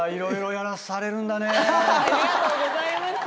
ありがとうございます。